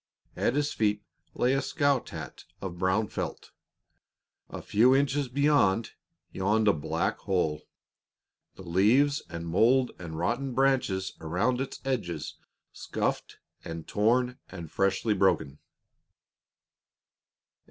At his feet lay a scout hat of brown felt. A few inches beyond yawned a black hole, the leaves and mold and rotten branches about its edges scuffed and torn and freshly broken.